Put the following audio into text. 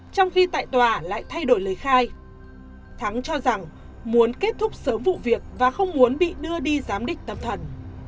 trong khi tại tòa lại thay đổi lời khai thắng cho rằng muốn kết thúc sớm vụ việc và không muốn bị đưa đi giám định tâm thần